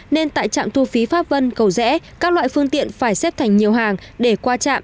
nên tại trạm thu phí pháp vân cầu rẽ các loại phương tiện phải xếp thành nhiều hàng để qua trạm